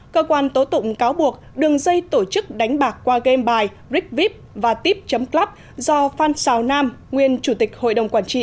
cơ quan tố tụng cáo buộc đường dây tổ chức đánh bạc qua game bài rickvip và tip club do phan xào nam nguyên chủ tịch hội đồng quản trị